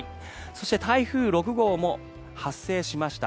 そして、台風６号も発生しました。